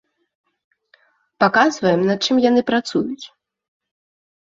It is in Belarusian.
Паказваем, над чым яны працуюць.